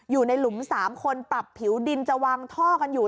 อยู่ในหลุม๓คนปรับผิวดินจะวางท่อกันอยู่